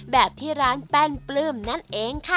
แบบที่ร้านแป้นปลื้มนั่นเองค่ะ